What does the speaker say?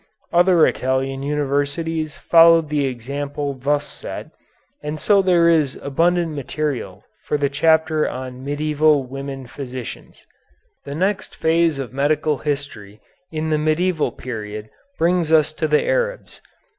Other Italian universities followed the example thus set, and so there is abundant material for the chapter on "Medieval Women Physicians." The next phase of medical history in the medieval period brings us to the Arabs.